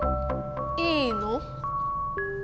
いいの？